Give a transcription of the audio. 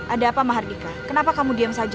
ada apa mahardika kenapa kamu diam saja